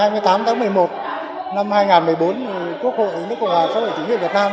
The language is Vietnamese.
ngày hai mươi tám tháng một mươi một năm hai nghìn một mươi bốn quốc hội nước cộng hòa xã hội chủ nghĩa việt nam